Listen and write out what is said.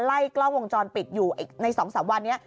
ไล่กล้องวงจรปิดอยู่ใน๒๓วันนี้